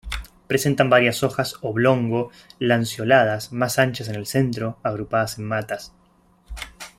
Presentan varias hojas oblongo lanceoladas más anchas en el centro, agrupadas en matas.